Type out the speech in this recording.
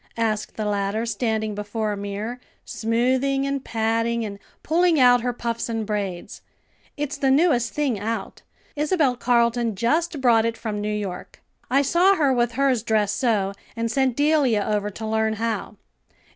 asked the latter, standing before a mirror, smoothing and patting, and pulling out her puffs and braids. "It's the newest thing out. Isabel Carleton just brought it from New York. I saw her with hers dressed so, and sent Delia over to learn how."